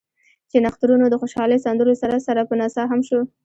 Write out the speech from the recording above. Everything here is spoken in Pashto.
چې نښترونو د خوشالۍ سندرو سره سره پۀ نڅا هم شو ـ